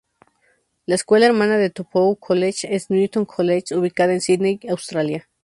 La escuela hermana de Tupou College es Newington College, ubicada en Sídney, Australia.